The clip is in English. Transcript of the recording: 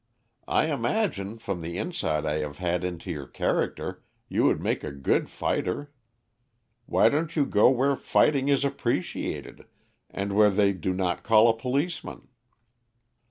I imagine, from the insight I have had into your character, you would make a good fighter. Why don't you go where fighting is appreciated, and where they do not call a policeman?"